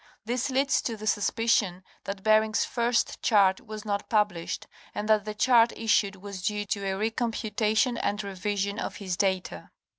This leads to the suspicion that Bering's first chart was not published, and that the chart issued was due to a recomputation and revision of his data.